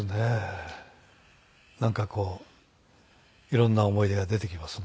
なんかこういろんな思い出が出てきますね。